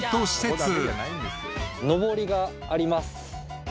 のぼりがあります。